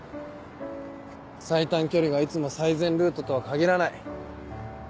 最短距離がいつも最善ルートとは限らない。